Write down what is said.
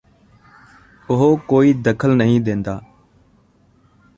ਉਹ ਕੋਈ ਦਖਲ ਨਹੀਂ ਦੇਂਦਾ